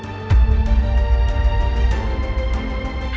memkan dan meretonik bunuh